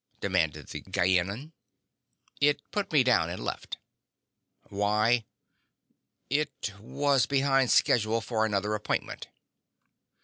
demanded the Gienahn. "It put me down and left." "Why?" "It was behind schedule for another appointment."